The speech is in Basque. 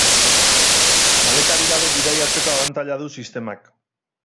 Maletarik gabe bidaiatzeko abantaila du sistemak.